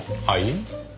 はい？